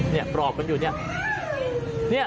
เนี่ยปรอบกันอยู่เนี่ย